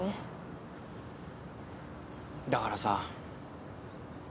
だからさ。